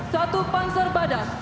satu panzer badan